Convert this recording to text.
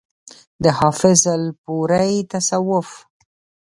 د حافظ الپورئ تصوف